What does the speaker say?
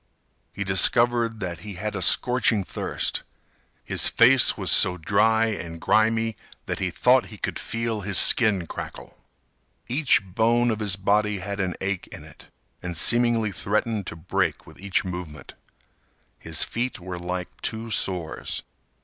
He discovered that he had a scorching thirst. His face was so dry and grimy that he thought he could feel his skin crackle. Each bone of his body had an ache in it, and seemingly threatened to break with each movement. His feet were like two sores.